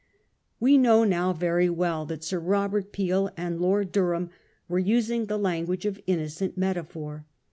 We know now very well that Sir Robert Peel and Lord Durham were using the lan guage of innocent metaphor.